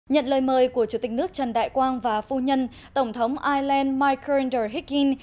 nhận lời mời của chủ tịch nước trần đại quang và phu nhân tổng thống island mike kerrinder higgins